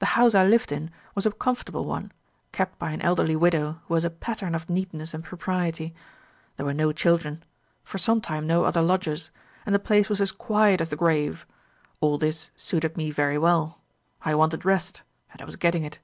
The house I lived in was a comfortable one, kept by an elderly widow who was a pattern of neatness and propriety. There were no children; for some time no other lodgers; and the place was as quiet as the grave. All this suited me very well. I wanted rest, and I was getting it.